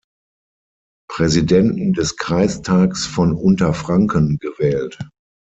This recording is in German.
Präsidenten des Kreistags von Unterfranken gewählt.